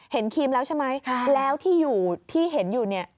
เห็นครีมแล้วใช่ไหมแล้วที่เห็นอยู่นี่